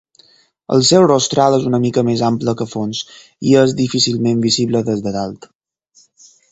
El seu rostral és una mica més ample que fons i és difícilment visible des de dalt.